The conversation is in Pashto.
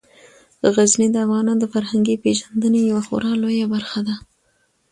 غزني د افغانانو د فرهنګي پیژندنې یوه خورا لویه برخه ده.